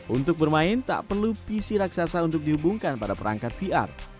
untuk bermain tak perlu pc raksasa untuk dihubungkan pada perangkat vr